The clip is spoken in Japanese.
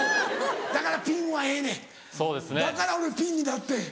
だからピンはええねんだから俺ピンになってん。